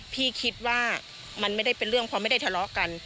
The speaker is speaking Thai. พี่คิดว่ามันไม่ได้เป็นเรื่องเพราะไม่ได้ทะเลาะกัน